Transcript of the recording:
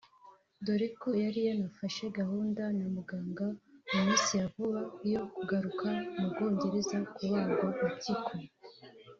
dore ko yari yanafashe gahunda na muganga mu minsi ya vuba yo kugaruka mu Bwongereza kubagwa impyiko